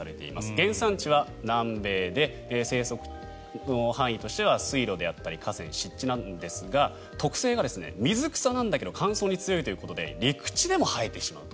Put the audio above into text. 原産地は南米で生息の範囲としては水路であったり河川、湿地なんですが特性が水草なんだけど乾燥に強いということで陸地でも生えてしまうと。